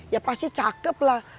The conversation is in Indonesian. ya pasti cakeplah